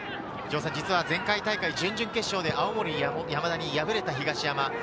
前回大会、準々決勝で青森山田に敗れた東山。